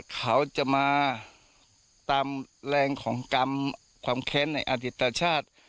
เขาจะมาตามแรงของกรรมความแค้นในอดิตชาติ